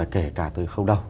kể cả từ khâu đầu